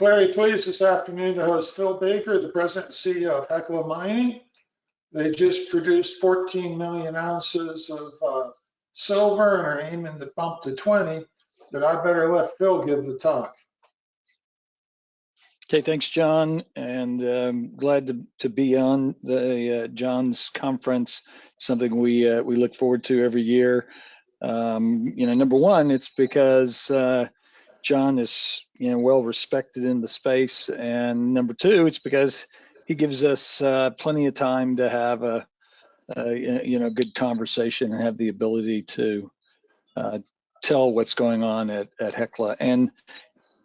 We're very pleased this afternoon to host Phil Baker, the President and CEO of Hecla Mining. They just produced 14 million ounces of silver, and are aiming to bump to 20. I better let Phil give the talk. Okay, thanks, John, and glad to be on the John's conference, something we look forward to every year. You know, number one, it's because John is, you know, well-respected in the space, and number two, it's because he gives us plenty of time to have a good conversation and have the ability to tell what's going on at Hecla. And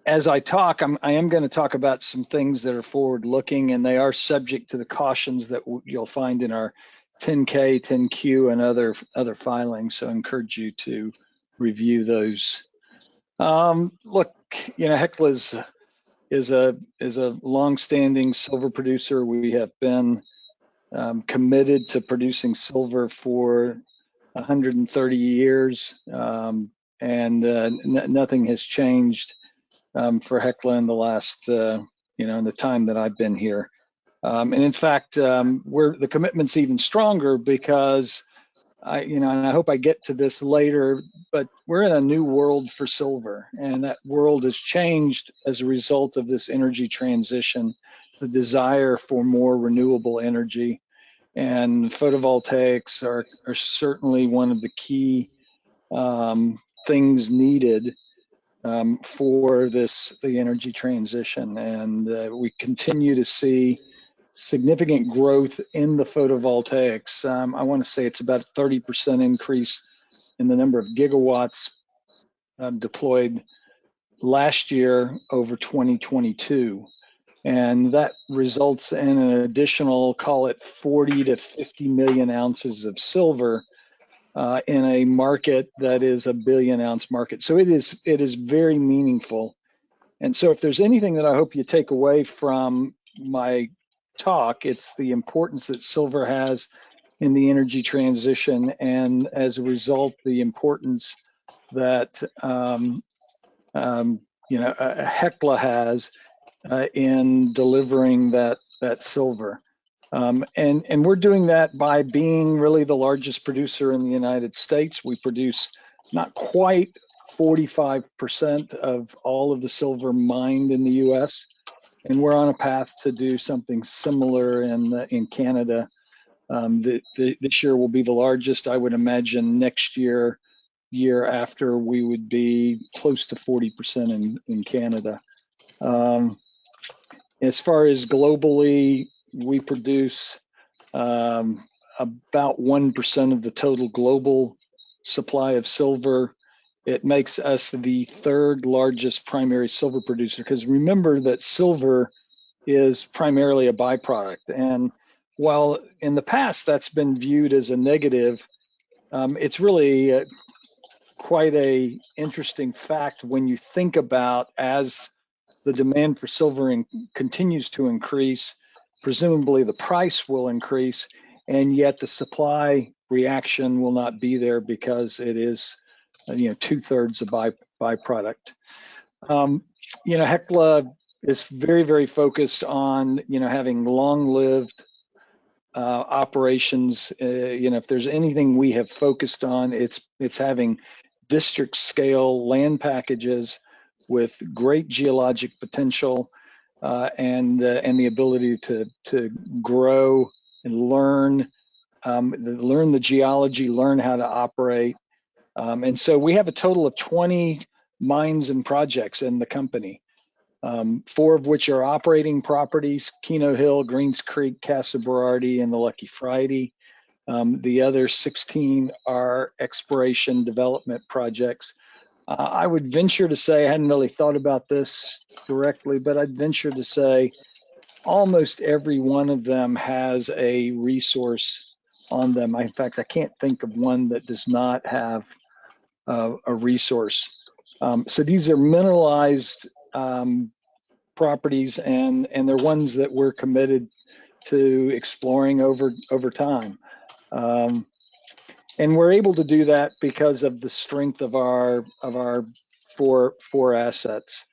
as I talk, I am gonna talk about some things that are forward-looking, and they are subject to the cautions that you'll find in our 10-K, 10-Q, and other filings, so I encourage you to review those. Look, you know, Hecla is a long-standing silver producer. We have been committed to producing silver for 100 years, and nothing has changed for Hecla in the last, you know, in the time that I've been here. And in fact, the commitment's even stronger because I, you know, and I hope I get to this later, but we're in a new world for silver, and that world has changed as a result of this energy transition, the desire for more renewable energy, and photovoltaics are certainly one of the key things needed for this, the energy transition. And we continue to see significant growth in the photovoltaics. I wanna say it's about a 30% increase in the number of gigawatts deployed last year over 2022, and that results in an additional, call it, 40-50 million ounces of silver in a market that is a billion-ounce market. So it is very meaningful. And so if there's anything that I hope you take away from my talk, it's the importance that silver has in the energy transition, and as a result, the importance that you know Hecla has in delivering that silver. And we're doing that by being really the largest producer in the United States. We produce not quite 45% of all of the silver mined in the U.S., and we're on a path to do something similar in Canada. This year will be the largest. I would imagine next year, year after, we would be close to 40% in Canada. As far as globally, we produce about 1% of the total global supply of silver. It makes us the third-largest primary silver producer, 'cause remember that silver is primarily a byproduct. And while in the past that's been viewed as a negative, it's really quite an interesting fact when you think about as the demand for silver continues to increase, presumably the price will increase, and yet the supply reaction will not be there because it is, you know, two-thirds a byproduct. You know, Hecla is very, very focused on, you know, having long-lived operations. You know, if there's anything we have focused on, it's having district-scale land packages with great geologic potential, and the ability to grow and learn, learn the geology, learn how to operate. And so we have a total of 20 mines and projects in the company, four of which are operating properties, Keno Hill, Greens Creek, Casa Berardi, and the Lucky Friday. The other 16 are exploration development projects. I would venture to say, I hadn't really thought about this directly, but I'd venture to say almost every one of them has a resource on them. In fact, I can't think of one that does not have a resource. So these are mineralized properties, and they're ones that we're committed to exploring over time. And we're able to do that because of the strength of our four assets.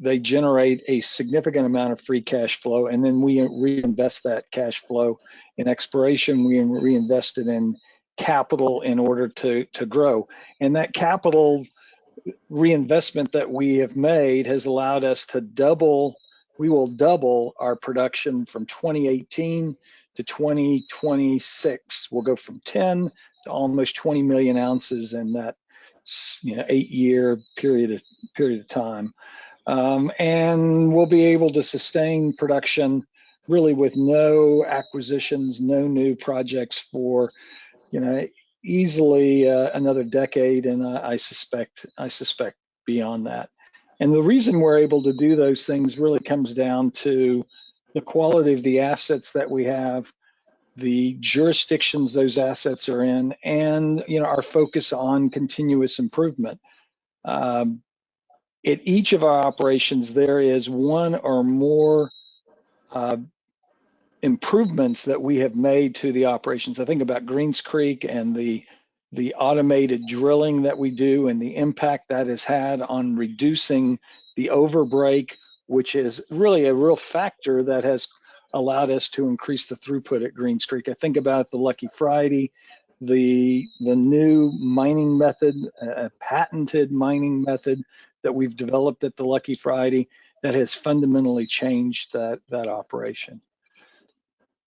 They generate a significant amount of free cash flow, and then we reinvest that cash flow in exploration, we reinvest it in capital in order to grow. And that capital reinvestment that we have made has allowed us to double... we will double our production from 2018 to 2026. We'll go from 10 to almost 20 million ounces in that, you know, eight-year period of time. And we'll be able to sustain production really with no acquisitions, no new projects for, you know, easily another decade, and I suspect, I suspect beyond that. The reason we're able to do those things really comes down to the quality of the assets that we have, the jurisdictions those assets are in, and, you know, our focus on continuous improvement. At each of our operations, there is one or more improvements that we have made to the operations. I think about Greens Creek and the automated drilling that we do, and the impact that has had on reducing the overbreak, which is really a real factor that has allowed us to increase the throughput at Greens Creek. I think about the Lucky Friday, the new mining method, a patented mining method that we've developed at the Lucky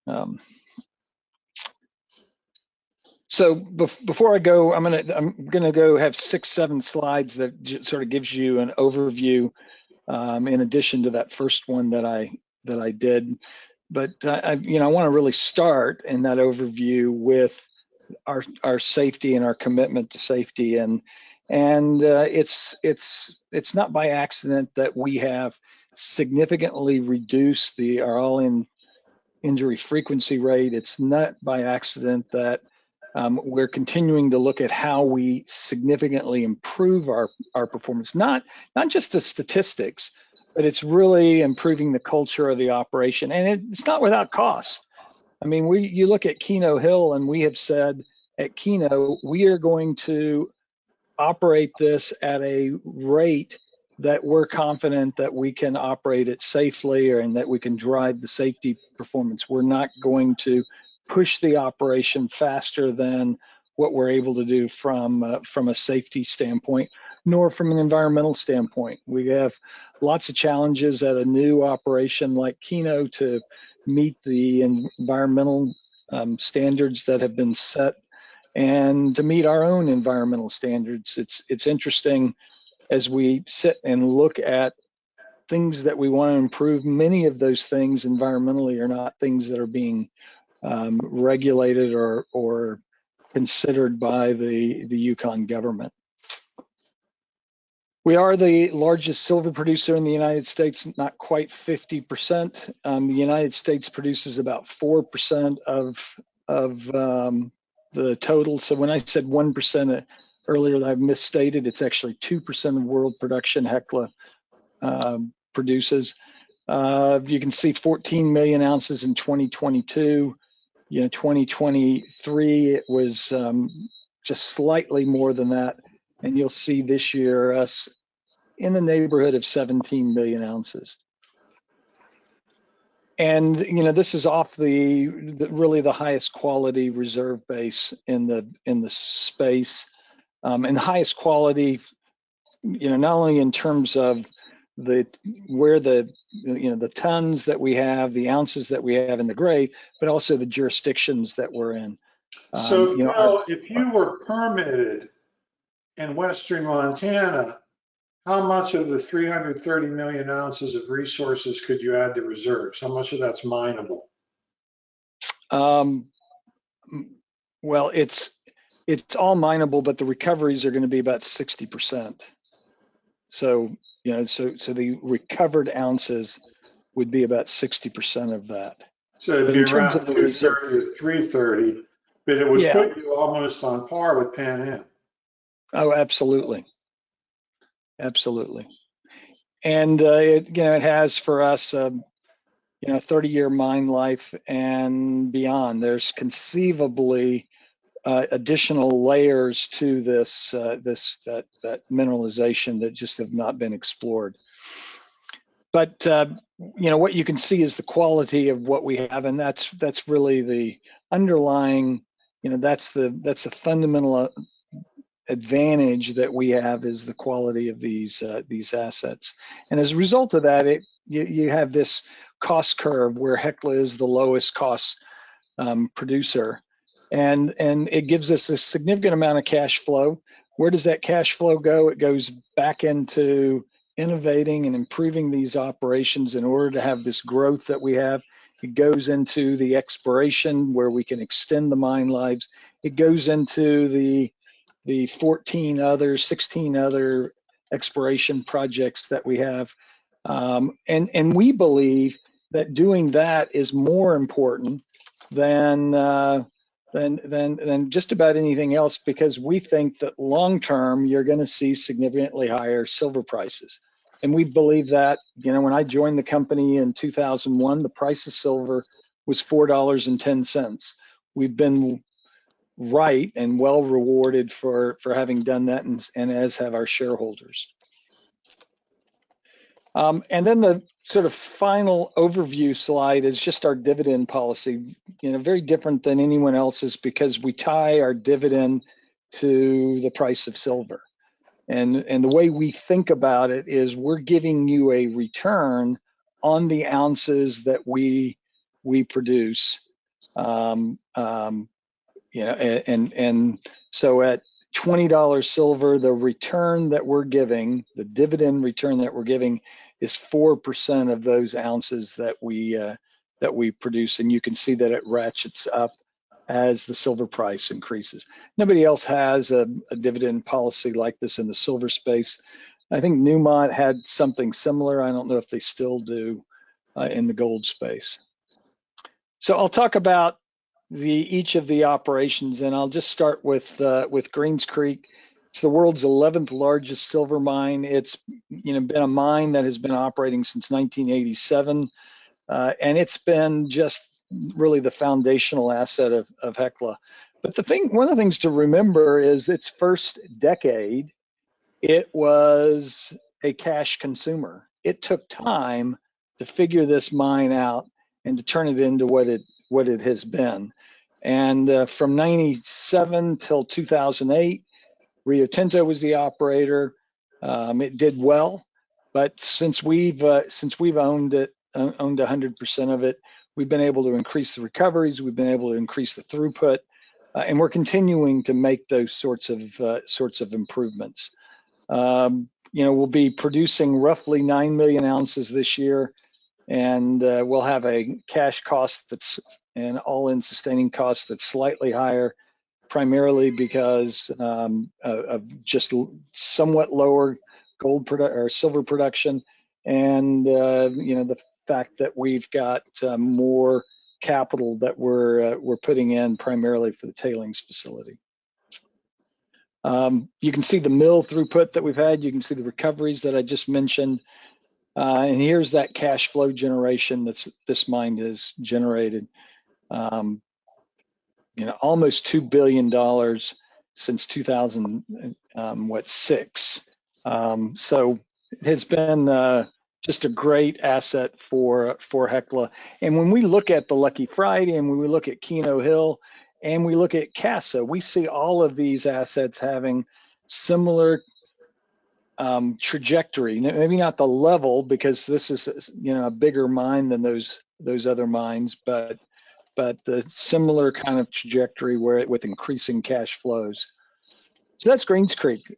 Friday, that has fundamentally changed that operation. Before I go, I'm gonna go have six to seven slides that just sort of gives you an overview, in addition to that first one that I did. But, you know, I wanna really start in that overview with our safety and our commitment to safety, and it's not by accident that we have significantly reduced our All-In Injury Frequency Rate. It's not by accident that we're continuing to look at how we significantly improve our performance, not just the statistics, but it's really improving the culture of the operation, and it's not without cost. I mean, you look at Keno Hill, and we have said at Keno, we are going to operate this at a rate that we're confident that we can operate it safely and that we can drive the safety performance. We're not going to push the operation faster than what we're able to do from a safety standpoint, nor from an environmental standpoint. We have lots of challenges at a new operation like Keno to meet the environmental standards that have been set and to meet our own environmental standards. It's interesting as we sit and look at things that we wanna improve; many of those things environmentally are not things that are being regulated or considered by the Yukon government. We are the largest silver producer in the United States, not quite 50%. The United States produces about 4% of the total. So when I said 1% earlier, and I've misstated, it's actually 2% of world production Hecla produces. You can see 14 million ounces in 2022. You know, 2023, it was just slightly more than that, and you'll see this year us in the neighborhood of 17 million ounces. And, you know, this is off the really highest quality reserve base in the space, and the highest quality, you know, not only in terms of where the tons that we have, the ounces that we have, and the grade, but also the jurisdictions that we're in. You know- If you were permitted in Western Montana, how much of the 330 million ounces of resources could you add to reserves? How much of that's mineable? Well, it's all mineable, but the recoveries are gonna be about 60%. So, you know, the recovered ounces would be about 60% of that. So it'd be around- In terms of the reserve... 3:30, but it would- Yeah... put you almost on par with Pan Am. Oh, absolutely. Absolutely. And, it, you know, it has for us, you know, a 30-year mine life and beyond. There's conceivably, additional layers to this, this, that, that mineralization that just have not been explored. But, you know, what you can see is the quality of what we have, and that's, that's really the underlying, you know, that's the, that's the fundamental advantage that we have, is the quality of these, these assets. And as a result of that, it- you, you have this cost curve where Hecla is the lowest cost, producer, and, and it gives us a significant amount of cash flow. Where does that cash flow go? It goes back into innovating and improving these operations in order to have this growth that we have. It goes into the exploration, where we can extend the mine lives. It goes into the fourteen other, sixteen other exploration projects that we have. And we believe that doing that is more important than just about anything else, because we think that long term, you're gonna see significantly higher silver prices. And we believe that. You know, when I joined the company in 2001, the price of silver was $4.10. We've been right and well rewarded for having done that, and as have our shareholders. And then the sort of final overview slide is just our dividend policy. You know, very different than anyone else's because we tie our dividend to the price of silver. And the way we think about it is we're giving you a return on the ounces that we produce. You know, and so at $20 silver, the return that we're giving, the dividend return that we're giving, is 4% of those ounces that we produce, and you can see that it ratchets up as the silver price increases. Nobody else has a dividend policy like this in the silver space. I think Newmont had something similar, I don't know if they still do, in the gold space. So I'll talk about each of the operations, and I'll just start with Greens Creek. It's the world's eleventh largest silver mine. It's, you know, been a mine that has been operating since 1987, and it's been just really the foundational asset of Hecla. But the thing, one of the things to remember is its first decade, it was a cash consumer. It took time to figure this mine out and to turn it into what it has been. From 1997 till 2008, Rio Tinto was the operator. It did well, but since we've owned it, owned 100% of it, we've been able to increase the recoveries, we've been able to increase the throughput, and we're continuing to make those sorts of improvements. You know, we'll be producing roughly 9 million ounces this year, and we'll have a cash cost that's an all-in sustaining cost that's slightly higher, primarily because of just somewhat lower gold or silver production and, you know, the fact that we've got more capital that we're putting in primarily for the tailings facility. You can see the mill throughput that we've had. You can see the recoveries that I just mentioned. And here's that cash flow generation that's this mine has generated, you know, almost $2 billion since 2006. So it has been just a great asset for Hecla. And when we look at the Lucky Friday, and when we look at Keno Hill, and we look at Casa, we see all of these assets having similar trajectory. Maybe not the level, because this is, you know, a bigger mine than those other mines, but the similar kind of trajectory where with increasing cash flows. So that's Greens Creek.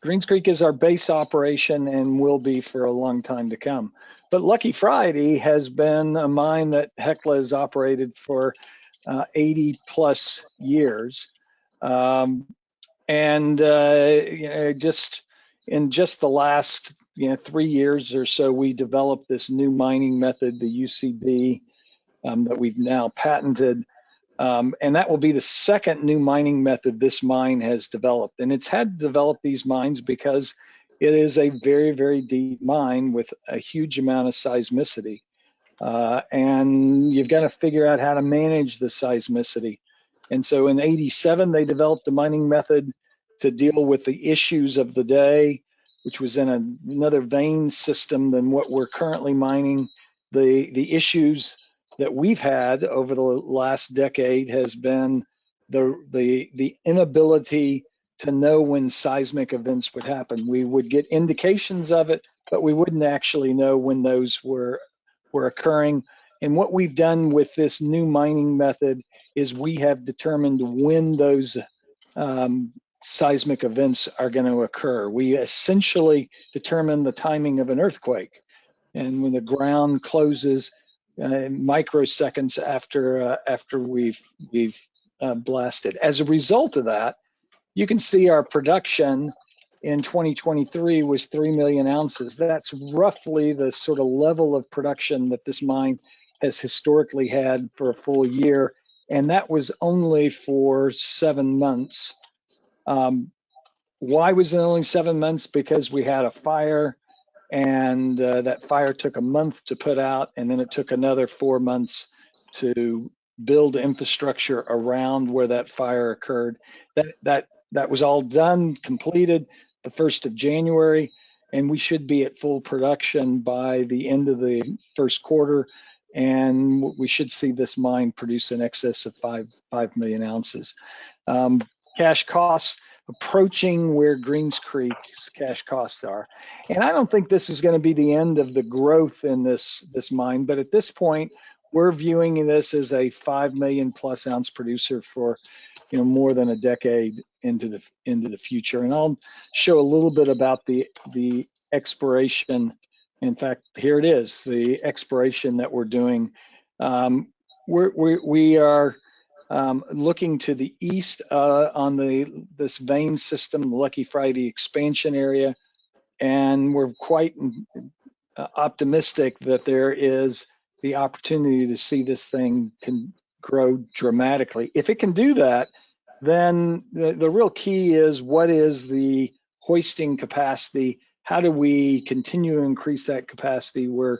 Greens Creek is our base operation and will be for a long time to come. But Lucky Friday has been a mine that Hecla has operated for 80+ years. And, you know, just in just the last, you know, three years or so, we developed this new mining method, the UCB, that we've now patented, and that will be the second new mining method this mine has developed. And it's had to develop these mines because it is a very, very deep mine with a huge amount of seismicity. And you've got to figure out how to manage the seismicity. And so in 1987, they developed a mining method to deal with the issues of the day, which was in another vein system than what we're currently mining. The issues that we've had over the last decade has been the, the, the inability to know when seismic events would happen. We would get indications of it, but we wouldn't actually know when those were occurring. What we've done with this new mining method is we have determined when those seismic events are gonna occur. We essentially determine the timing of an earthquake, and when the ground closes microseconds after we've blasted. As a result of that, you can see our production in 2023 was 3 million ounces. That's roughly the sort of level of production that this mine has historically had for a full year, and that was only for seven months. Why was it only seven months? Because we had a fire, and that fire took a month to put out, and then it took another four months to build infrastructure around where that fire occurred. That was all done, completed the first of January, and we should be at full production by the end of the first quarter, and we should see this mine produce in excess of five million ounces. Cash costs approaching where Greens Creek's cash costs are. And I don't think this is gonna be the end of the growth in this mine, but at this point, we're viewing this as a five million-plus ounce producer for, you know, more than a decade into the future. And I'll show a little bit about the exploration. In fact, here it is, the exploration that we're doing. We are looking to the east on this vein system, the Lucky Friday expansion area, and we're quite optimistic that there is the opportunity to see this thing can grow dramatically. If it can do that, then the real key is, what is the hoisting capacity? How do we continue to increase that capacity? We're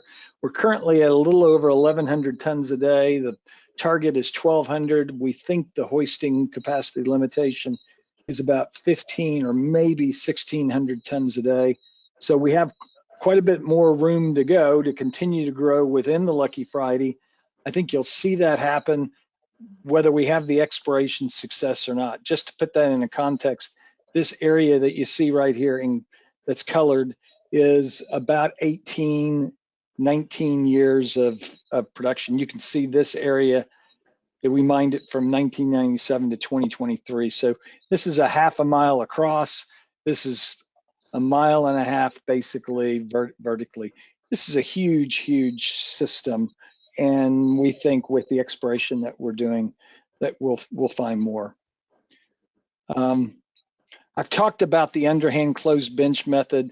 currently at a little over 1,100 tons a day. The target is 1,200. We think the hoisting capacity limitation is about 1,500 or maybe 1,600 tons a day. So we have quite a bit more room to go to continue to grow within the Lucky Friday. I think you'll see that happen whether we have the exploration success or not. Just to put that into context, this area that you see right here and that's colored is about 18, 19 years of production. You can see this area, that we mined it from 1997 to 2023. So this is a half a mile across. This is a mile and a half, basically, vertically. This is a huge, huge system, and we think with the exploration that we're doing, that we'll find more. I've talked about the Underhand Closed Bench method.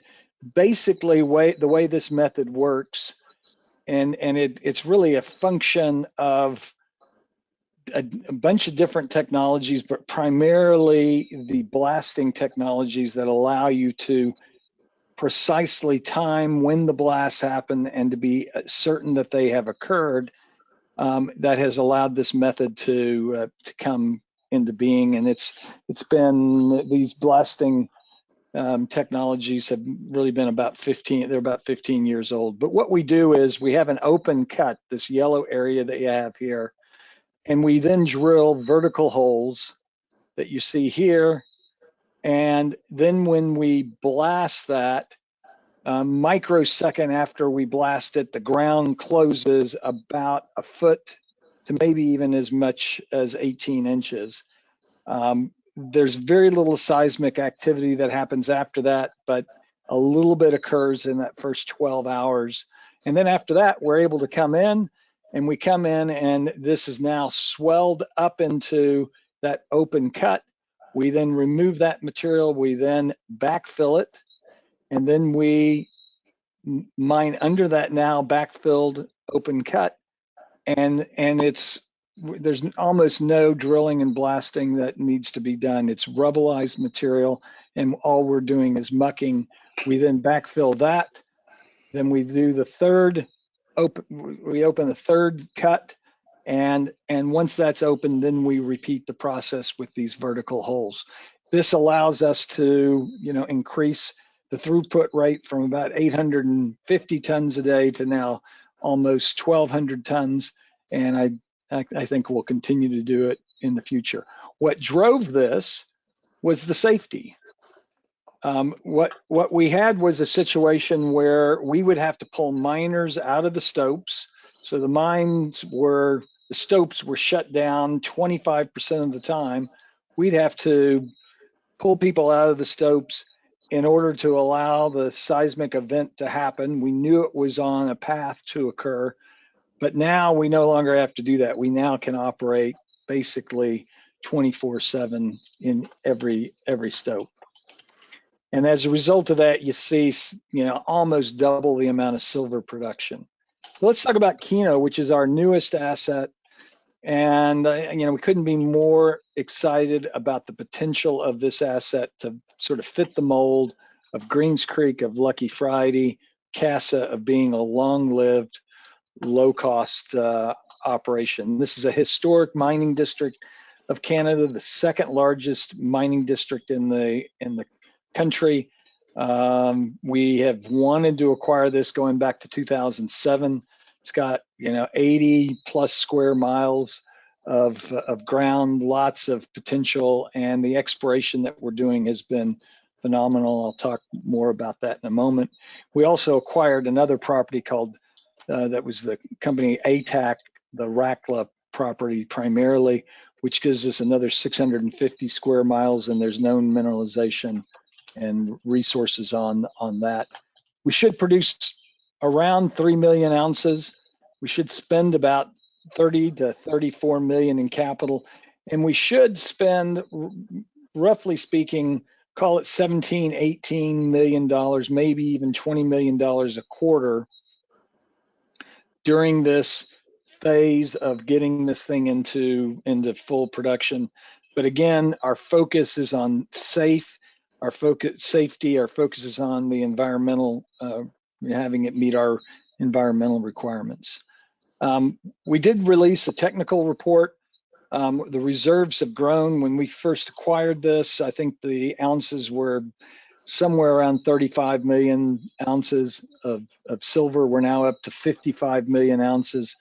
Basically, the way this method works and it, it's really a function of a bunch of different technologies, but primarily the blasting technologies that allow you to precisely time when the blasts happen and to be certain that they have occurred, that has allowed this method to come into being, and it's been, these blasting technologies have really been about 15, they're about 15 years old. But what we do is we have an open cut, this yellow area that you have here, and we then drill vertical holes that you see here. And then when we blast that, a microsecond after we blast it, the ground closes about a foot to maybe even as much as 18 inches. There's very little seismic activity that happens after that, but a little bit occurs in that first 12 hours, and then after that, we're able to come in, and we come in, and this is now swelled up into that open cut. We then remove that material, we then backfill it, and then we mine under that now backfilled open cut, and it's... there's almost no drilling and blasting that needs to be done. It's rubblized material, and all we're doing is mucking. We then backfill that, then we open the third cut, and once that's open, then we repeat the process with these vertical holes. This allows us to, you know, increase the throughput rate from about 850 tons a day to now almost 1,200 tons, and I think we'll continue to do it in the future. What drove this was the safety. What we had was a situation where we would have to pull miners out of the stopes. So the stopes were shut down 25% of the time. We'd have to pull people out of the stopes in order to allow the seismic event to happen. We knew it was on a path to occur, but now we no longer have to do that. We now can operate basically 24/7 in every stope. And as a result of that, you see, you know, almost double the amount of silver production. So let's talk about Keno, which is our newest asset, and, you know, we couldn't be more excited about the potential of this asset to sort of fit the mold of Greens Creek, of Lucky Friday, Casa, of being a long-lived, low-cost, operation. This is a historic mining district of Canada, the second largest mining district in the, in the country. We have wanted to acquire this going back to 2007. It's got, you know, 80+ sq mi of, of ground, lots of potential, and the exploration that we're doing has been phenomenal. I'll talk more about that in a moment. We also acquired another property called, that was the company ATAC, the Rackla property primarily, which gives us another 650 sq mi, and there's known mineralization and resources on, that. We should produce around 3 million ounces. We should spend about $30-$34 million in capital, and we should spend, roughly speaking, call it $17-$18 million, maybe even $20 million a quarter during this phase of getting this thing into, into full production. But again, our focus is on safety, our focus is on the environmental, having it meet our environmental requirements. We did release a technical report. The reserves have grown. When we first acquired this, I think the ounces were somewhere around 35 million ounces of silver. We're now up to 55 million ounces.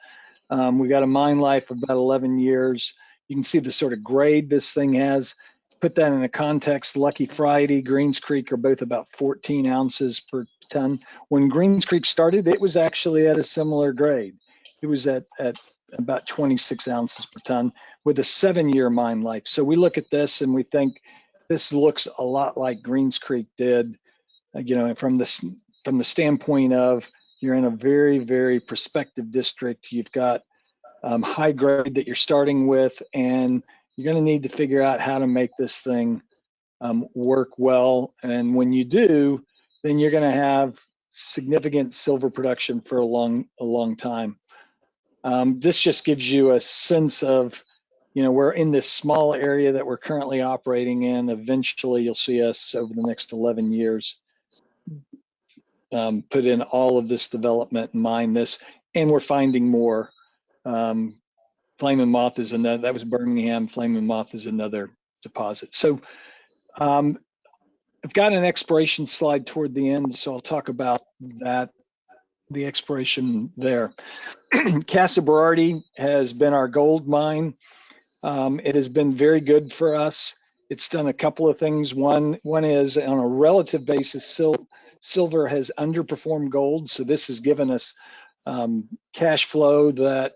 We've got a mine life of about 11 years. You can see the sort of grade this thing has. To put that into context, Lucky Friday, Greens Creek are both about 14 ounces per ton. When Greens Creek started, it was actually at a similar grade. It was at about 26 ounces per ton with a seven-year mine life. So we look at this, and we think this looks a lot like Greens Creek did. Again, from the standpoint of you're in a very, very prospective district, you've got high grade that you're starting with, and you're gonna need to figure out how to make this thing work well, and when you do, then you're gonna have significant silver production for a long time. This just gives you a sense of, you know, we're in this small area that we're currently operating in. Eventually, you'll see us over the next 11 years put in all of this development, mine this, and we're finding more. Flame & Moth is another deposit. That was Bermingham. So, I've got an exploration slide toward the end, so I'll talk about that, the exploration there. Casa Berardi has been our gold mine. It has been very good for us. It's done a couple of things. One is, on a relative basis, silver has underperformed gold, so this has given us cash flow that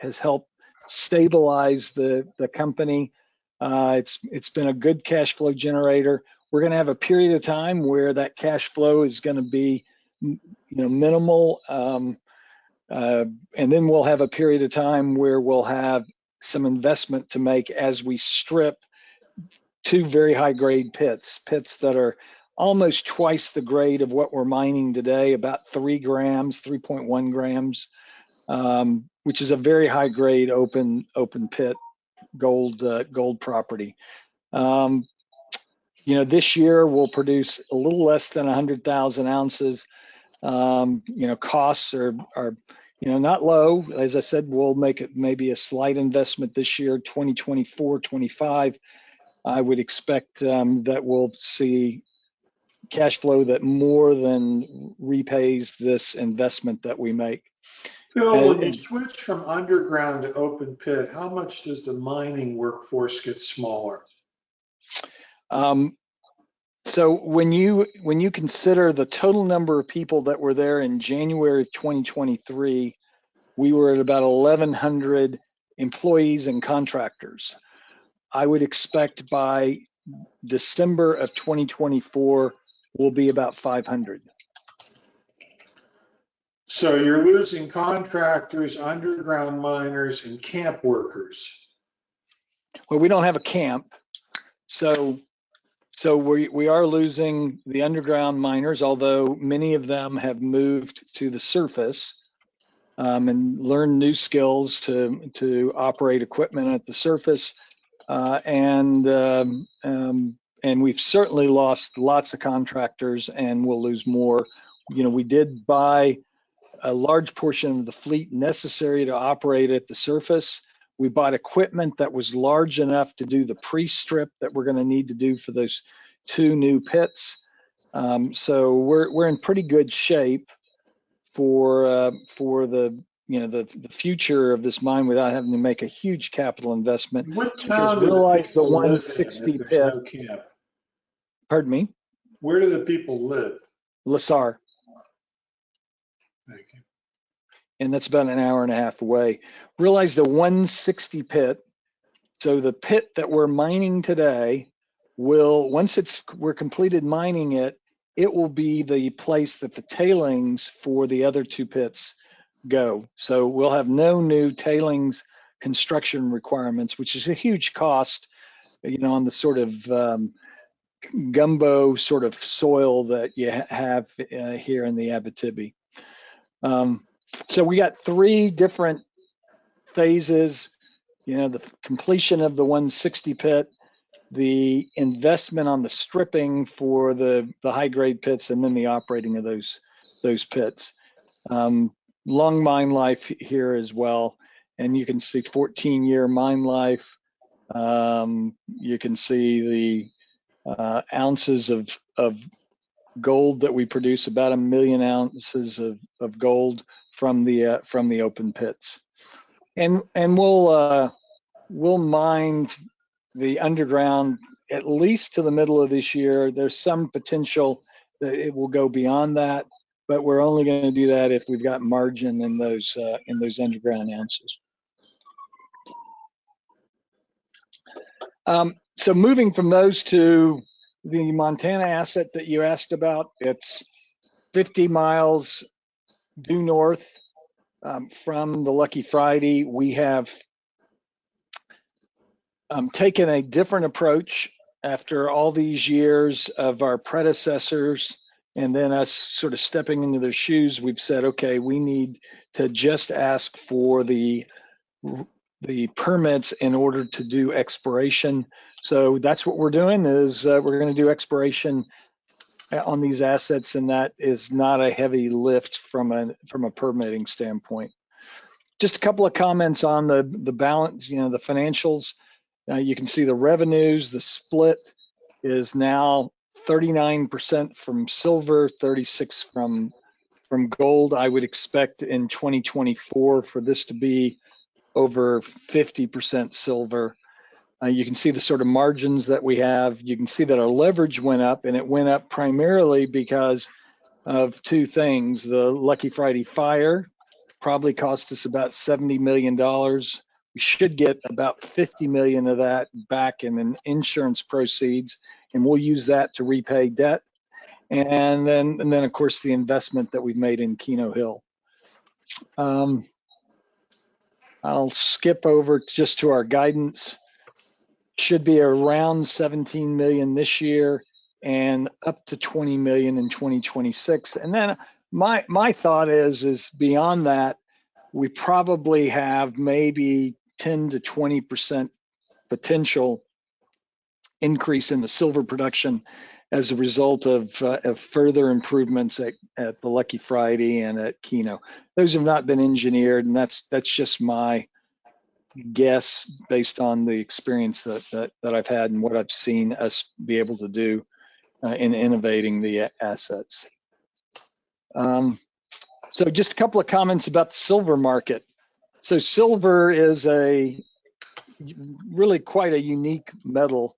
has helped stabilize the company. It's been a good cash flow generator. We're gonna have a period of time where that cash flow is gonna be, you know, minimal, and then we'll have a period of time where we'll have some investment to make as we strip two very high-grade pits, pits that are almost twice the grade of what we're mining today, about 3 g, 3.1 g, which is a very high-grade, open-pit gold property. You know, this year we'll produce a little less than 100,000 ounces. You know, costs are, you know, not low. As I said, we'll make it maybe a slight investment this year, 2024, 2025. I would expect that we'll see cash flow that more than repays this investment that we make. And- When you switch from underground to open pit, how much does the mining workforce get smaller? So when you consider the total number of people that were there in January of 2023, we were at about 1,100 employees and contractors. I would expect by December of 2024, we'll be about 500. You're losing contractors, underground miners, and camp workers. Well, we don't have a camp, so we are losing the underground miners, although many of them have moved to the surface and learned new skills to operate equipment at the surface. And we've certainly lost lots of contractors, and we'll lose more. You know, we did buy a large portion of the fleet necessary to operate at the surface. We bought equipment that was large enough to do the pre-strip that we're gonna need to do for those two new pits. So we're in pretty good shape for the future of this mine without having to make a huge capital investment. What town- Realize the 160 pit. Do the people live in at the camp? Pardon me? Where do the people live? La Sarre. Thank you. And that's about an hour and a half away. Realize the 160 pit, so the pit that we're mining today, will, once we're completed mining it, it will be the place that the tailings for the other two pits go. So we'll have no new tailings construction requirements, which is a huge cost, you know, on the sort of, gumbo sort of soil that you have here in the Abitibi. So we got three different phases. You know, the completion of the 160 pit, the investment on the stripping for the high-grade pits, and then the operating of those pits. Long mine life here as well, and you can see 14-year mine life. You can see the ounces of gold that we produce, about 1 million ounces of gold from the open pits. We'll mine the underground at least to the middle of this year. There's some potential that it will go beyond that, but we're only gonna do that if we've got margin in those underground ounces. So moving from those to the Montana asset that you asked about, it's 50 mi due north from the Lucky Friday. We have taken a different approach after all these years of our predecessors and then us sort of stepping into their shoes. We've said, "Okay, we need to just ask for the permits in order to do exploration." So that's what we're doing, is we're gonna do exploration on these assets, and that is not a heavy lift from a permitting standpoint. Just a couple of comments on the balance, you know, the financials. You can see the revenues. The split is now 39% from silver, 36% from gold. I would expect in 2024 for this to be over 50% silver. You can see the sort of margins that we have. You can see that our leverage went up, and it went up primarily because of two things. The Lucky Friday fire probably cost us about $70 million. We should get about $50 million of that back in insurance proceeds, and we'll use that to repay debt. And then, of course, the investment that we've made in Keno Hill. I'll skip over just to our guidance. Should be around 17 million this year and up to 20 million in 2026. Then, my thought is, beyond that, we probably have maybe 10%-20% potential increase in the silver production as a result of further improvements at the Lucky Friday and at Keno. Those have not been engineered, and that's just my guess, based on the experience that I've had and what I've seen us be able to do in innovating the assets. So just a couple of comments about the silver market. Silver is really quite a unique metal.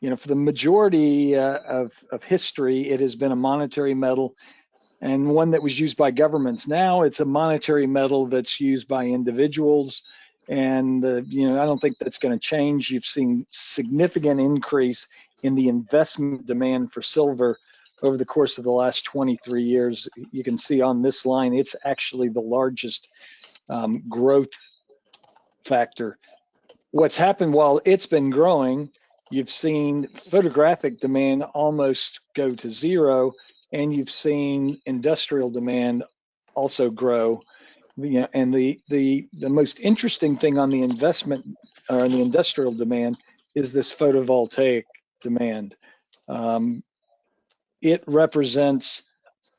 You know, for the majority of history, it has been a monetary metal and one that was used by governments. Now, it's a monetary metal that's used by individuals, and you know, I don't think that's gonna change. You've seen significant increase in the investment demand for silver over the course of the last 23 years. You can see on this line, it's actually the largest growth factor. What's happened while it's been growing, you've seen photographic demand almost go to zero, and you've seen industrial demand also grow. And the most interesting thing on the industrial demand is this photovoltaic demand. It represents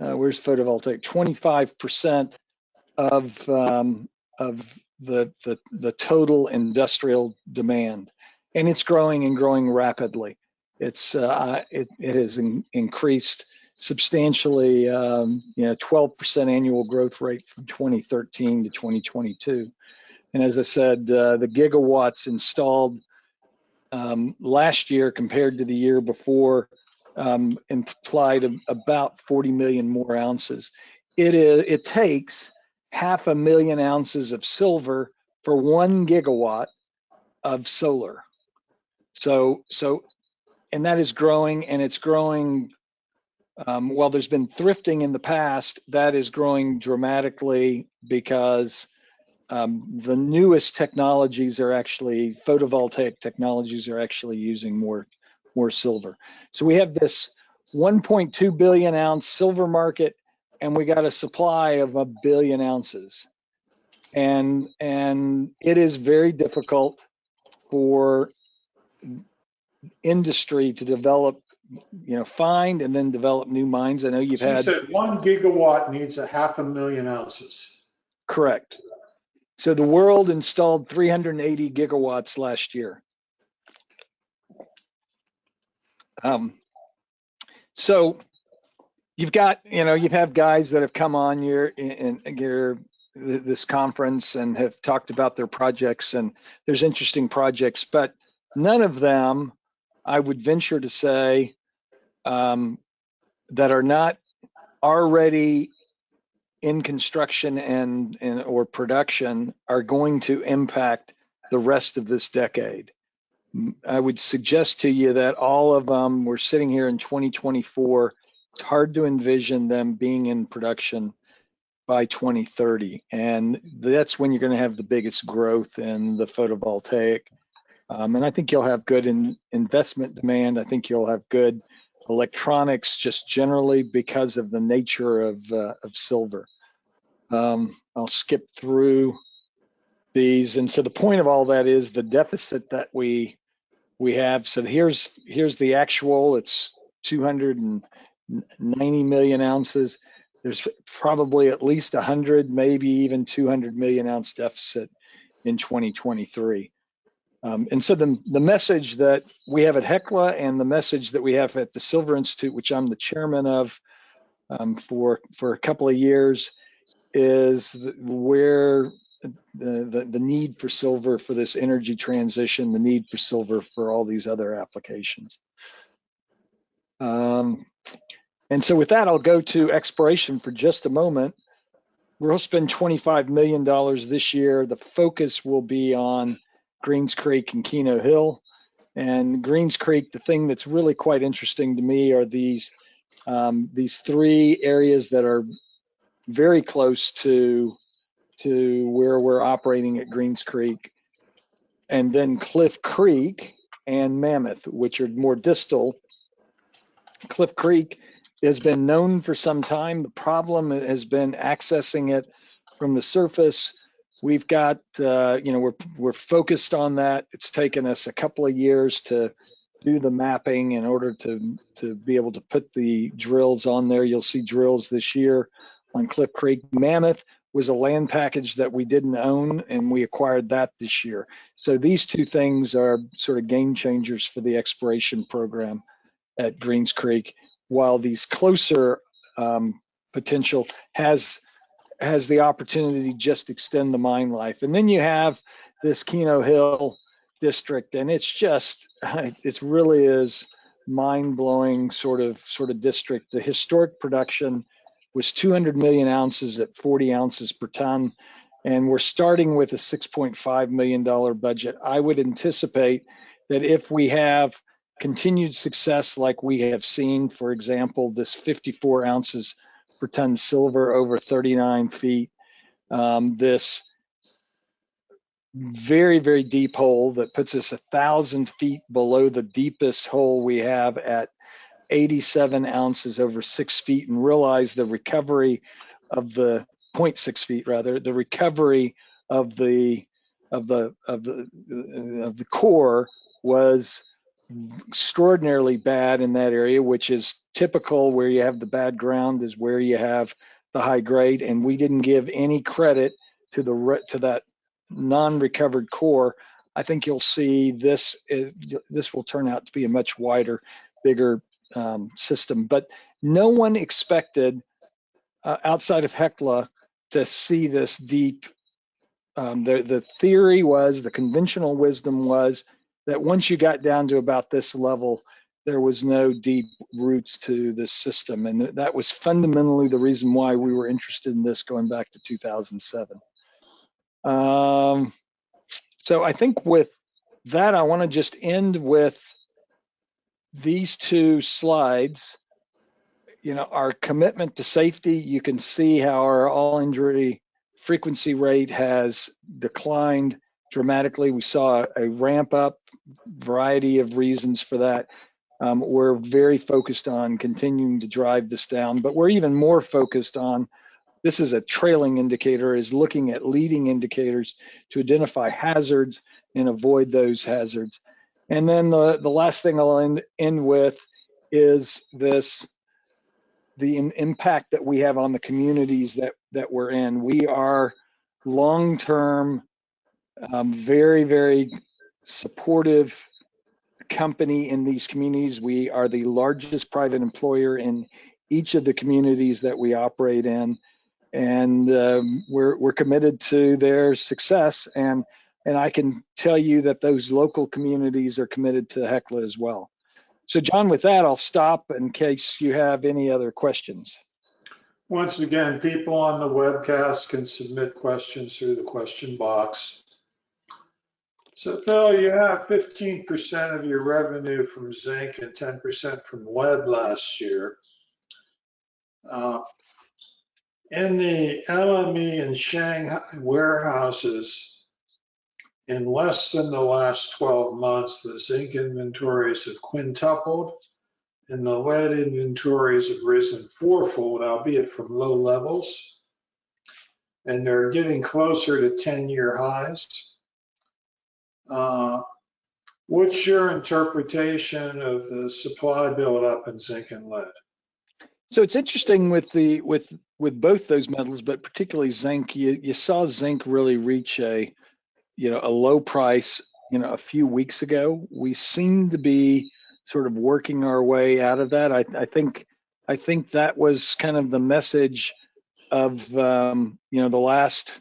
25% of the total industrial demand, and it's growing and growing rapidly. It has increased substantially, you know, 12% annual growth rate from 2013 to 2022. And as I said, the gigawatts installed last year compared to the year before implied about 40 million more ounces. It takes 500,000 ounces of silver for 1 GW of solar. So, and that is growing, and it's growing, while there's been thrifting in the past, that is growing dramatically because the newest technologies are actually photovoltaic technologies are actually using more silver. So we have this 1.2 billion-ounce silver market, and we got a supply of 1 billion ounces. And it is very difficult for industry to develop, you know, find and then develop new mines. I know you've had- You said 1 GW needs 500,000 ounces. Correct. So the world installed 380 GW last year. So you've got, you know, you have guys that have come on here in this conference and have talked about their projects, and there's interesting projects, but none of them, I would venture to say, that are not already in construction and or production, are going to impact the rest of this decade. I would suggest to you that all of them, we're sitting here in 2024, it's hard to envision them being in production by 2030, and that's when you're gonna have the biggest growth in the photovoltaic. And I think you'll have good investment demand, I think you'll have good electronics just generally because of the nature of of silver. I'll skip through these. The point of all that is the deficit that we have. So here's the actual, it's 290 million ounces. There's probably at least 100, maybe even 200 million-ounce deficit in 2023. And so the message that we have at Hecla and the message that we have at the Silver Institute, which I'm the chairman of, for a couple of years, is the need for silver for this energy transition, the need for silver for all these other applications. And so with that, I'll go to exploration for just a moment. We'll spend $25 million this year. The focus will be on Greens Creek and Keno Hill. And Greens Creek, the thing that's really quite interesting to me are these, these three areas that are very close to, to where we're operating at Greens Creek, and then Cliff Creek and Mammoth, which are more distal. Cliff Creek has been known for some time. The problem has been accessing it from the surface. We've got, you know, we're, we're focused on that. It's taken us a couple of years to do the mapping in order to, to be able to put the drills on there. You'll see drills this year on Cliff Creek. Mammoth was a land package that we didn't own, and we acquired that this year. So these two things are sort of game changers for the exploration program at Greens Creek, while these closer, potential has, has the opportunity to just extend the mine life. And then you have this Keno Hill district, and it's just, it really is mind-blowing sort of, sort of district. The historic production was 200 million ounces at 40 ounces per ton, and we're starting with a $6.5 million budget. I would anticipate that if we have continued success like we have seen, for example, this 54 ounces per ton silver over 39 feet, this very, very deep hole that puts us 1,000 feet below the deepest hole we have at 87 ounces over 6 ft, and realize the recovery of the 0.6 ft, rather, the recovery of the core was extraordinarily bad in that area, which is typical. Where you have the bad ground is where you have the high grade, and we didn't give any credit to the to that non-recovered core. I think you'll see this—this will turn out to be a much wider, bigger system. But no one expected, outside of Hecla, to see this deep. The theory was, the conventional wisdom was, that once you got down to about this level, there was no deep roots to this system, and that was fundamentally the reason why we were interested in this going back to 2007. So I think with that, I wanna just end with these two slides, you know, our commitment to safety. You can see how our All-In Injury Frequency Rate has declined dramatically. We saw a ramp up, variety of reasons for that. We're very focused on continuing to drive this down, but we're even more focused on this. This is a trailing indicator, looking at leading indicators to identify hazards and avoid those hazards. And then the last thing I'll end with is this, the impact that we have on the communities that we're in. We are long-term, very, very supportive company in these communities. We are the largest private employer in each of the communities that we operate in, and we're committed to their success. And I can tell you that those local communities are committed to Hecla as well. So, John, with that, I'll stop in case you have any other questions. Once again, people on the webcast can submit questions through the question box. So Phil, you have 15% of your revenue from zinc and 10% from lead last year. In the LME and Shanghai warehouses, in less than the last 12 months, the zinc inventories have quintupled, and the lead inventories have risen fourfold, albeit from low levels, and they're getting closer to ten-year highs. What's your interpretation of the supply build-up in zinc and lead? So it's interesting with the, with, with both those metals, but particularly zinc. You, you saw zinc really reach a, you know, a low price, you know, a few weeks ago. We seem to be sort of working our way out of that. I, I think, I think that was kind of the message of, you know, the last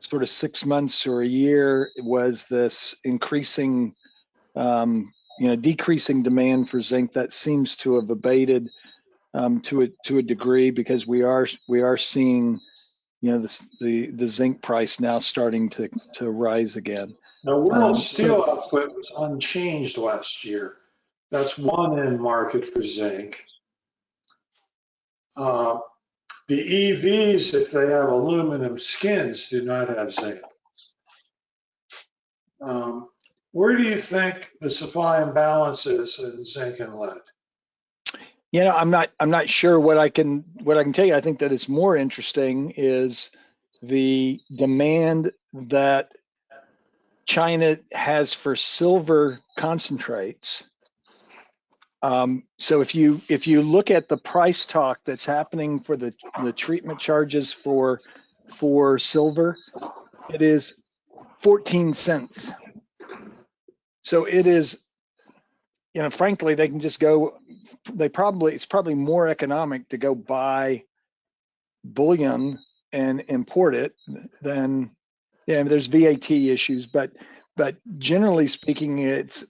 sort of six months or a year, was this increasing, you know, decreasing demand for zinc that seems to have abated, to a, to a degree, because we are we are seeing, you know, the the, the zinc price now starting to, to rise again. Now, world steel output was unchanged last year. That's one end market for zinc. The EVs, if they have aluminum skins, do not have zinc. Where do you think the supply and balance is in zinc and lead? You know, I'm not sure. What I can tell you, I think that is more interesting is the demand that China has for silver concentrates. So if you look at the price talk that's happening for the treatment charges for silver, it is $0.14. So it is... You know, frankly, they can just go, it's probably more economic to go buy bullion and import it than... Yeah, there's VAT issues, but generally speaking, it's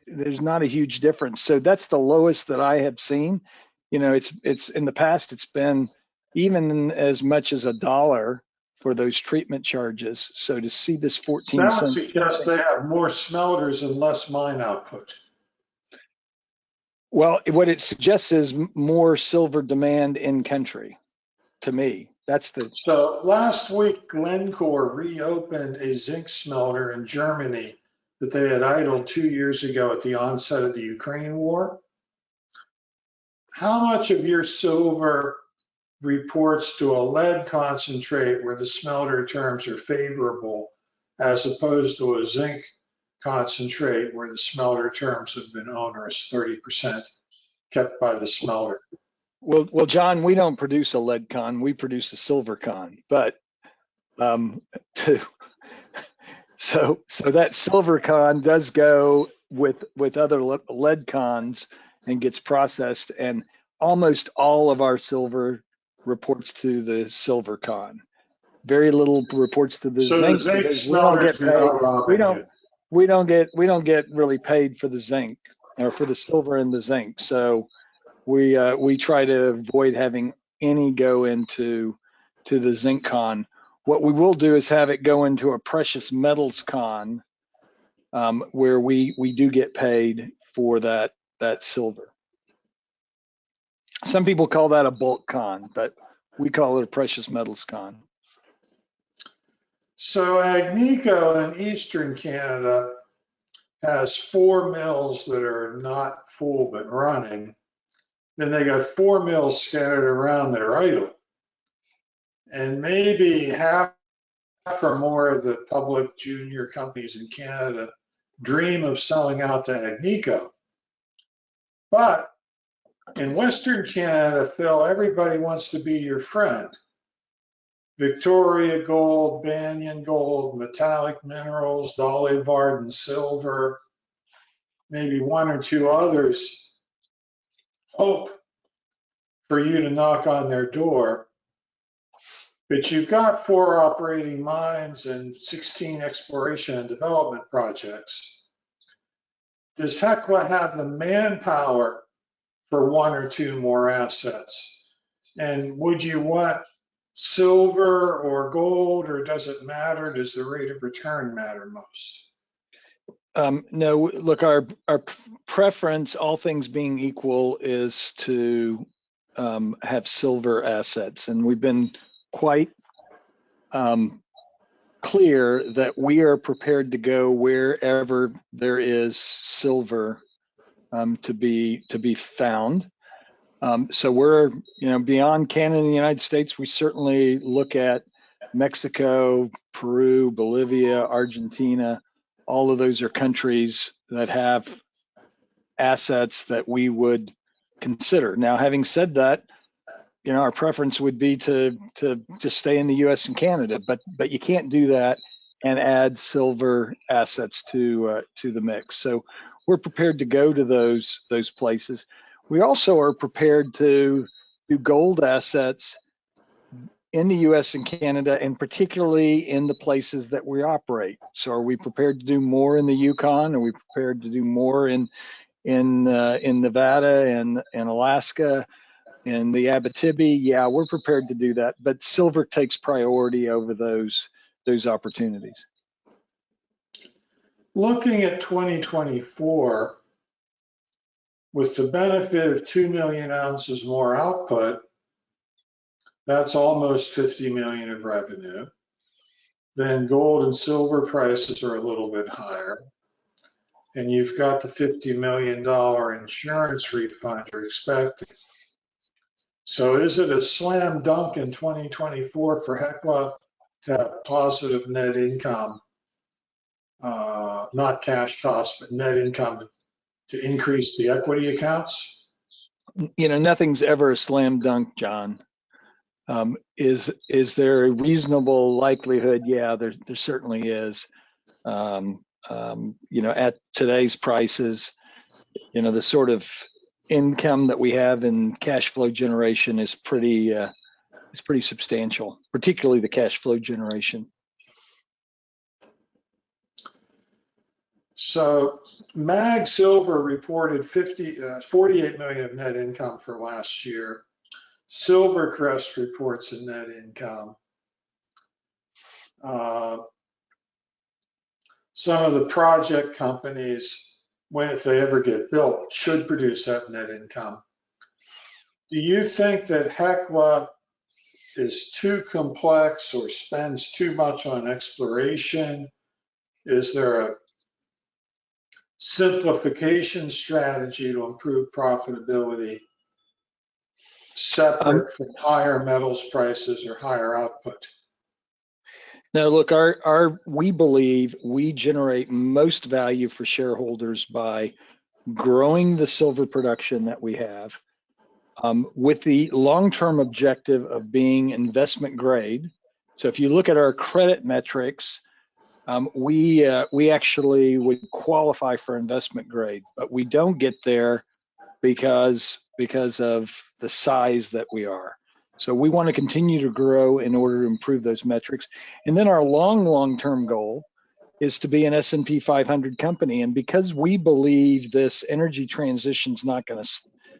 - there's not a huge difference. So that's the lowest that I have seen. You know, it's in the past, it's been even as much as $1 for those treatment charges, so to see this $0.14- That's because they have more smelters and less mine output. Well, what it suggests is more silver demand in country, to me. That's the- Last week, Glencore reopened a zinc smelter in Germany that they had idled two years ago at the onset of the Ukraine war. How much of your silver reports to a lead concentrate where the smelter terms are favorable, as opposed to a zinc concentrate, where the smelter terms have been onerous, 30% kept by the smelter? Well, well, John, we don't produce a lead con, we produce a silver con. But so that silver con does go with other lead cons and gets processed, and almost all of our silver reports to the silver con. Very little reports to the zinc- The zinc smelters are not- We don't get really paid for the zinc or for the silver and the zinc, so we try to avoid having any go into the zinc con. What we will do is have it go into a precious metals con, where we do get paid for that silver. Some people call that a bulk con, but we call it a precious metals con. Agnico in Eastern Canada has 4 mills that are not full but running, then they got 4 mills scattered around that are idle. Maybe half or more of the public junior companies in Canada dream of selling out to Agnico. But in Western Canada, Phil, everybody wants to be your friend. Victoria Gold, Banyan Gold, Metallic Minerals, Dolly Varden Silver, maybe one or two others hope for you to knock on their door. But you've got four operating mines and 16 exploration and development projects. Does Hecla have the manpower for one or two more assets, and would you want silver or gold, or does it matter? Does the rate of return matter most? No. Look, our preference, all things being equal, is to have silver assets. And we've been quite clear that we are prepared to go wherever there is silver to be found. So we're, you know, beyond Canada and the United States, we certainly look at Mexico, Peru, Bolivia, Argentina. All of those are countries that have assets that we would consider. Now, having said that, you know, our preference would be to just stay in the U.S. and Canada, but you can't do that and add silver assets to the mix. So we're prepared to go to those places. We also are prepared to do gold assets in the U.S. and Canada, and particularly in the places that we operate. So are we prepared to do more in the Yukon? Are we prepared to do more in Nevada and in Alaska and the Abitibi? Yeah, we're prepared to do that, but silver takes priority over those opportunities. Looking at 2024, with the benefit of 2 million ounces more output, that's almost $50 million in revenue, then gold and silver prices are a little bit higher, and you've got the $50 million insurance refund you're expecting. So is it a slam dunk in 2024 for Hecla to have positive net income, not cash costs, but net income to increase the equity account? You know, nothing's ever a slam dunk, John. Is there a reasonable likelihood? Yeah, there certainly is. You know, at today's prices, you know, the sort of income that we have in cash flow generation is pretty substantial, particularly the cash flow generation. MAG Silver reported, $48 million of net income for last year. SilverCrest reports a net income. Some of the project companies, when, if they ever get built, should produce that net income. Do you think that Hecla is too complex or spends too much on exploration? Is there a simplification strategy to improve profitability? So I- Higher metals prices or higher output? Now, look, We believe we generate most value for shareholders by growing the silver production that we have, with the long-term objective of being investment grade. So if you look at our credit metrics, we actually would qualify for investment grade, but we don't get there because of the size that we are. So we want to continue to grow in order to improve those metrics. And then our long-term goal is to be an S&P 500 company, and because we believe this energy transition's not gonna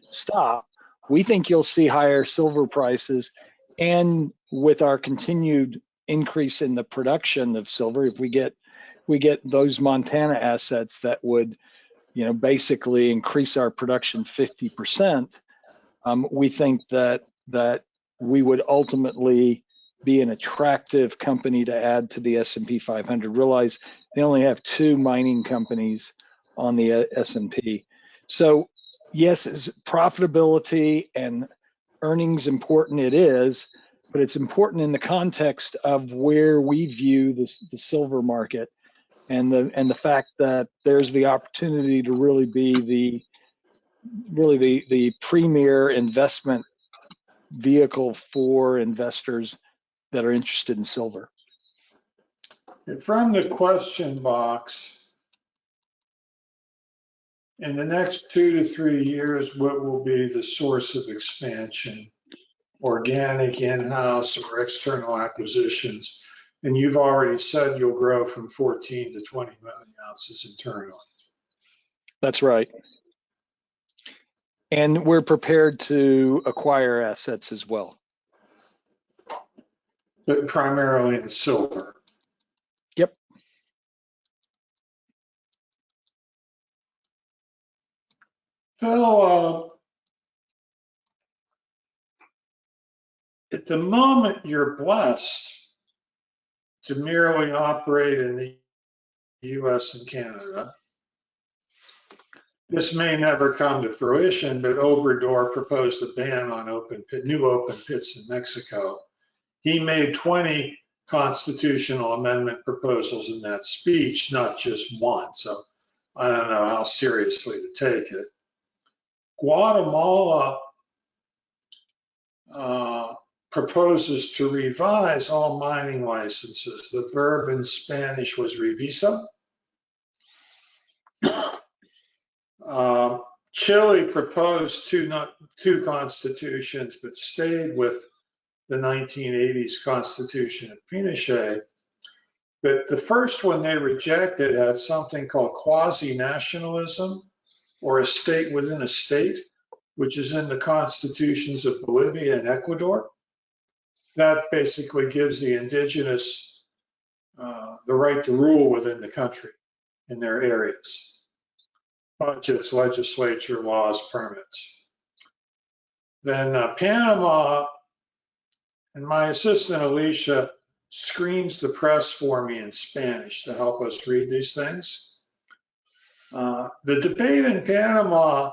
stop, we think you'll see higher silver prices. And with our continued increase in the production of silver, if we get those Montana assets that would, you know, basically increase our production 50%, we think that we would ultimately be an attractive company to add to the S&P 500. Realize they only have two mining companies on the S&P. So yes, is profitability and earnings important? It is, but it's important in the context of where we view the silver market and the fact that there's the opportunity to really be the premier investment vehicle for investors that are interested in silver. From the question box, in the next two to three years, what will be the source of expansion? Organic, in-house, or external acquisitions? You've already said you'll grow from 14-20 million ounces internally. That's right. We're prepared to acquire assets as well. But primarily in silver? Yep. Well, at the moment, you're blessed to merely operate in the U.S. and Canada. This may never come to fruition, but Obrador proposed a ban on open pit, new open pits in Mexico. He made 20 constitutional amendment proposals in that speech, not just one, so I don't know how seriously to take it. Guatemala proposes to revise all mining licenses. The verb in Spanish was revisar. Chile proposed two, not two constitutions, but stayed with the 1980s constitution of Pinochet. But the first one they rejected as something called quasi-nationalism, or a state within a state, which is in the constitutions of Bolivia and Ecuador. That basically gives the indigenous, the right to rule within the country in their areas, budgets, legislature, laws, permits. Then, Panama, and my assistant, Alicia, screens the press for me in Spanish to help us read these things. The debate in Panama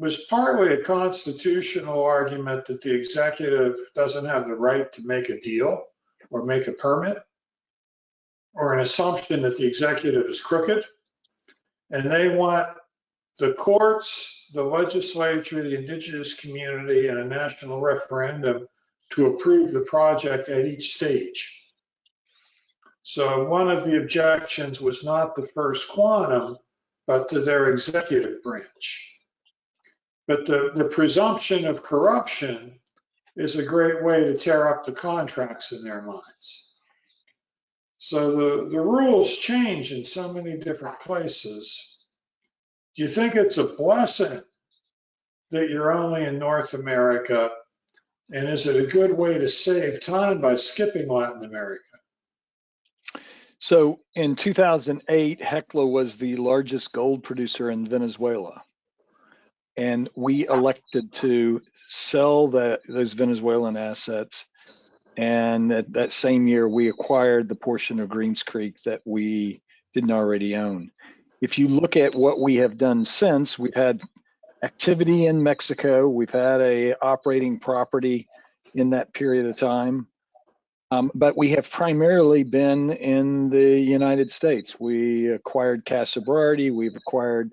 was partly a constitutional argument that the executive doesn't have the right to make a deal or make a permit, or an assumption that the executive is crooked, and they want the courts, the legislature, the indigenous community, and a national referendum to approve the project at each stage. So one of the objections was not the First Quantum, but to their executive branch. But the presumption of corruption is a great way to tear up the contracts in their minds. So the rules change in so many different places. Do you think it's a blessing that you're only in North America, and is it a good way to save time by skipping Latin America? So in 2008, Hecla was the largest gold producer in Venezuela, and we elected to sell those Venezuelan assets, and at that same year, we acquired the portion of Greens Creek that we didn't already own. If you look at what we have done since, we've had activity in Mexico. We've had an operating property in that period of time. But we have primarily been in the United States. We acquired Casa Berardi, we've acquired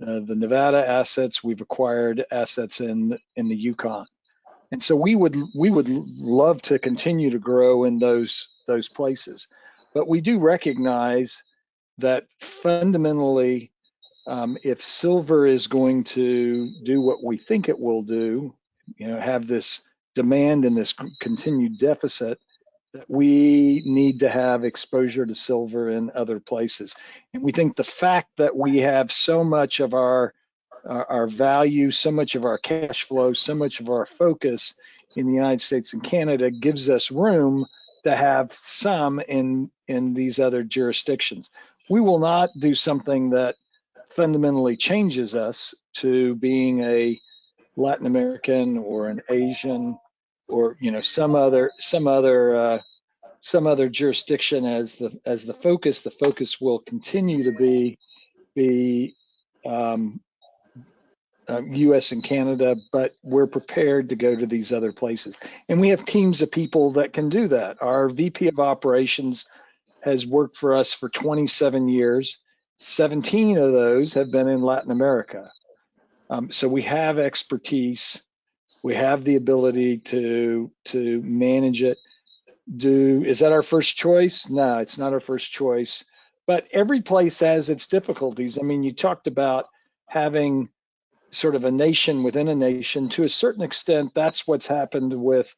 the Nevada assets, we've acquired assets in the, in the Yukon. And so we would, we would love to continue to grow in those, those places. But we do recognize that fundamentally, if silver is going to do what we think it will do, you know, have this demand and this continued deficit, that we need to have exposure to silver in other places. And we think the fact that we have so much of our value, so much of our cash flow, so much of our focus in the United States and Canada gives us room to have some in these other jurisdictions. We will not do something that fundamentally changes us to being a Latin American or an Asian or, you know, some other jurisdiction as the focus. The focus will continue to be U.S. and Canada, but we're prepared to go to these other places, and we have teams of people that can do that. Our VP of operations has worked for us for 27 years. Seventeen of those have been in Latin America. So we have expertise. We have the ability to manage it. Is that our first choice? No, it's not our first choice, but every place has its difficulties. I mean, you talked about having sort of a nation within a nation. To a certain extent, that's what's happened with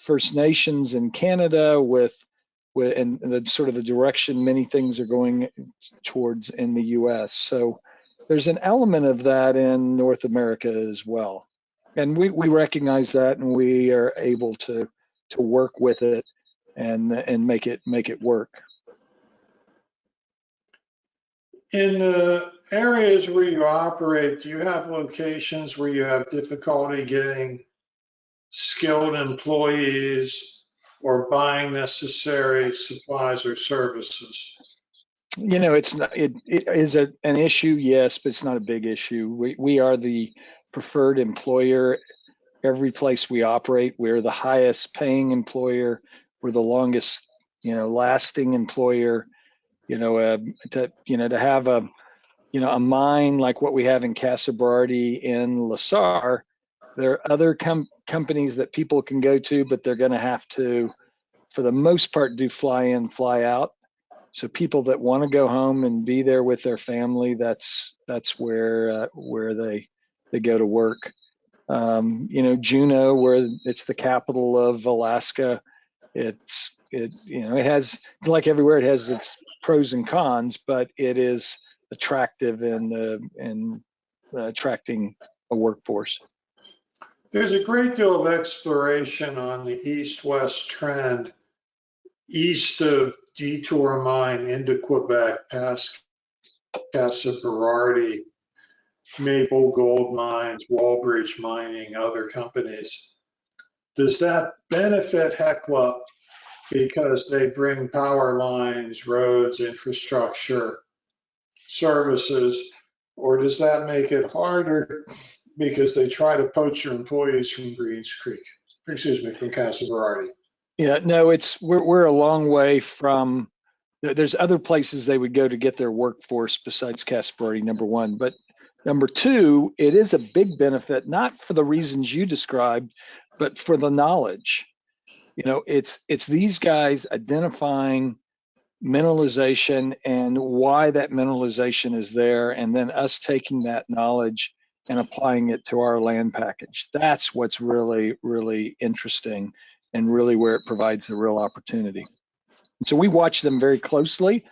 First Nations in Canada, and with the sort of direction many things are going towards in the U.S. So there's an element of that in North America as well, and we recognize that, and we are able to work with it and make it work. In the areas where you operate, do you have locations where you have difficulty getting skilled employees or buying necessary supplies or services? You know, it's an issue, yes, but it's not a big issue. We are the preferred employer. Every place we operate, we're the highest paying employer. We're the longest, you know, lasting employer. You know, to have a mine like what we have in Casa Berardi in La Sarre, there are other companies that people can go to, but they're gonna have to, for the most part, do fly in, fly out. So people that wanna go home and be there with their family, that's where they go to work. You know, Juneau, where it's the capital of Alaska, it's, you know, it has. Like everywhere, it has its pros and cons, but it is attractive in attracting a workforce. There's a great deal of exploration on the East-West trend, east of Detour Mine into Quebec, past Casa Berardi, Maple Gold Mines, Wallbridge Mining, other companies. Does that benefit Hecla because they bring power lines, roads, infrastructure, services, or does that make it harder because they try to poach your employees from Greens Creek, excuse me, from Casa Berardi? Yeah, no, it's... We're a long way from... There's other places they would go to get their workforce besides Casa Berardi, number one. But number two, it is a big benefit, not for the reasons you described, but for the knowledge. You know, it's these guys identifying mineralization and why that mineralization is there, and then us taking that knowledge and applying it to our land package. That's what's really, really interesting and really where it provides a real opportunity. And so we watch them very closely,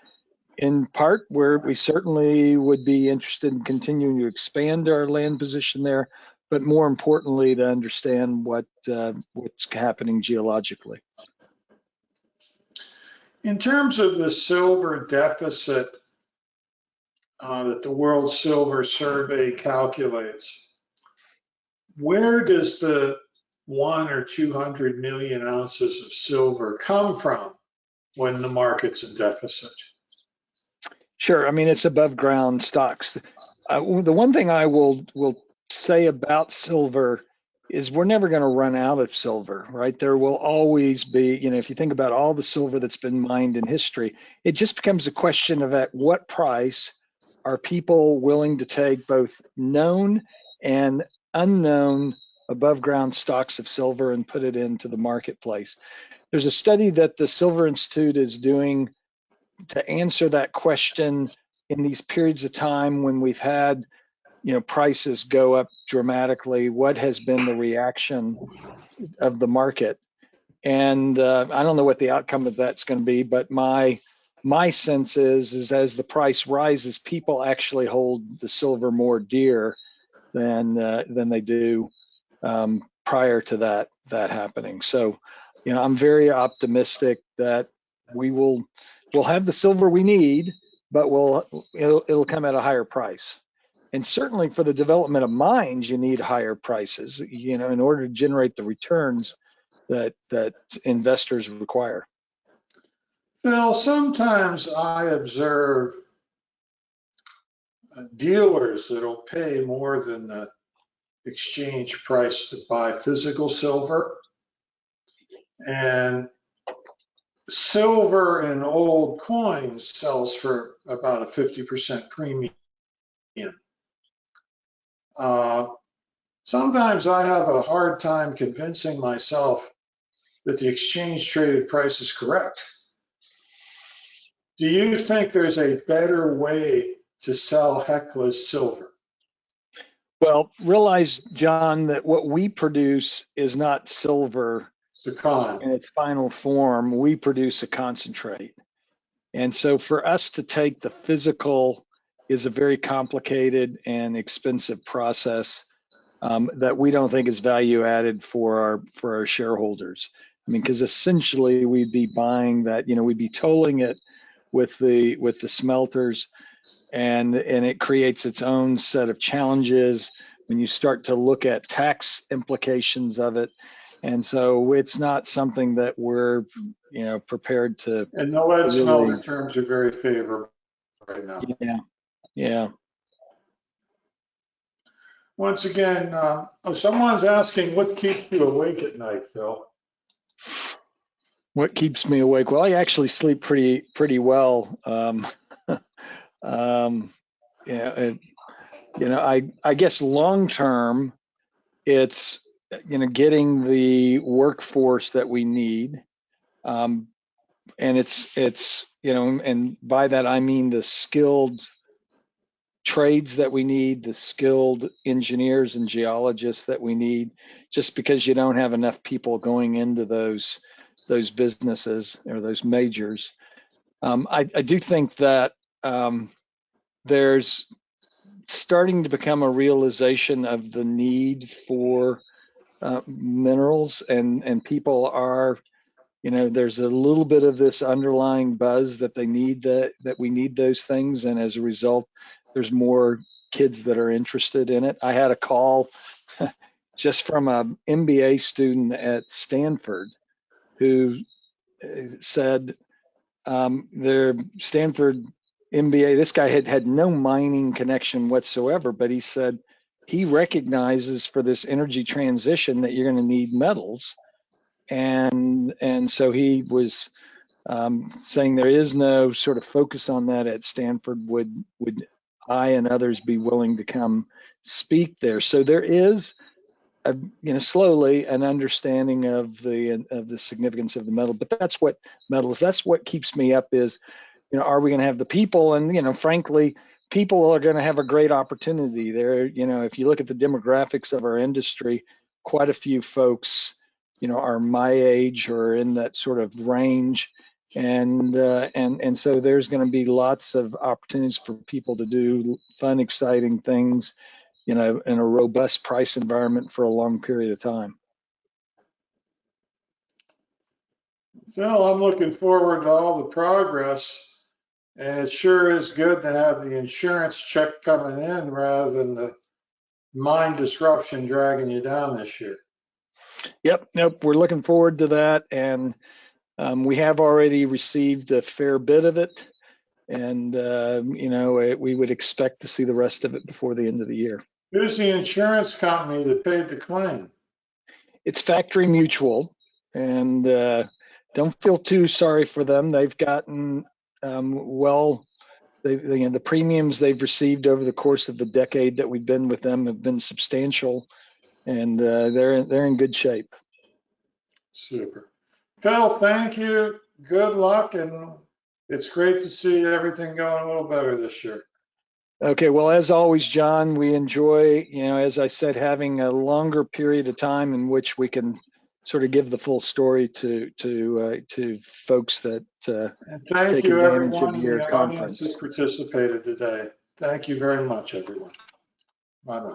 in part where we certainly would be interested in continuing to expand our land position there, but more importantly, to understand what's happening geologically. In terms of the silver deficit that the World Silver Survey calculates, where does the 100 or 200 million ounces of silver come from when the market's in deficit? Sure. I mean, it's above ground stocks. Well, the one thing I will say about silver is we're never gonna run out of silver, right? There will always be... You know, if you think about all the silver that's been mined in history, it just becomes a question of at what price are people willing to take both known and unknown above ground stocks of silver and put it into the marketplace. There's a study that the Silver Institute is doing to answer that question, in these periods of time when we've had, you know, prices go up dramatically, what has been the reaction of the market? And, I don't know what the outcome of that's gonna be, but my sense is as the price rises, people actually hold the silver more dear than they do prior to that happening. So, you know, I'm very optimistic that we'll have the silver we need, but it'll come at a higher price. And certainly for the development of mines, you need higher prices, you know, in order to generate the returns that investors require. Well, sometimes I observe, dealers that'll pay more than the exchange price to buy physical silver, and silver in old coins sells for about a 50% premium. Sometimes I have a hard time convincing myself that the exchange traded price is correct. Do you think there's a better way to sell Hecla's silver? Well, realize, John, that what we produce is not silver- It's a concentrate.... in its final form. We produce a concentrate. And so for us to take the physical is a very complicated and expensive process that we don't think is value added for our, for our shareholders. I mean, 'cause essentially we'd be buying that—you know, we'd be tolling it with the smelters, and it creates its own set of challenges when you start to look at tax implications of it, and so it's not something that we're, you know, prepared to— The lead smelter terms are very favorable right now. Yeah. Yeah. Once again, oh, someone's asking, "What keeps you awake at night, Phil? What keeps me awake? Well, I actually sleep pretty, pretty well. Yeah, you know, I guess long term it's, you know, getting the workforce that we need. And it's, you know. And by that I mean the skilled trades that we need, the skilled engineers and geologists that we need, just because you don't have enough people going into those businesses or those majors. I do think that there's starting to become a realization of the need for minerals, and people are. You know, there's a little bit of this underlying buzz that they need that we need those things, and as a result, there's more kids that are interested in it. I had a call just from an MBA student at Stanford who said their Stanford MBA—this guy had had no mining connection whatsoever, but he said he recognizes for this energy transition that you're gonna need metals. And, and so he was saying there is no sort of focus on that at Stanford. Would I and others be willing to come speak there? So there is, you know, slowly an understanding of the significance of the metal, but that's what—metals. That's what keeps me up is, you know, are we gonna have the people? And, you know, frankly, people are gonna have a great opportunity. There, you know, if you look at the demographics of our industry, quite a few folks, you know, are my age or in that sort of range. So, there's gonna be lots of opportunities for people to do fun, exciting things, you know, in a robust price environment for a long period of time. Phil, I'm looking forward to all the progress, and it sure is good to have the insurance check coming in rather than the mine disruption dragging you down this year. Yep. Nope, we're looking forward to that, and we have already received a fair bit of it, and you know, we would expect to see the rest of it before the end of the year. Who's the insurance company that paid the claim? It's Factory Mutual, and don't feel too sorry for them. They've gotten, well... The premiums they've received over the course of the decade that we've been with them have been substantial, and they're in, they're in good shape. Super. Phil, thank you. Good luck, and it's great to see everything going a little better this year. Okay, well, as always, John, we enjoy, you know, as I said, having a longer period of time in which we can sort of give the full story to folks that- Thank you, everyone- Take advantage of your conference.... who participated today. Thank you very much, everyone. Bye-bye.